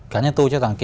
cả nhân tôi cho rằng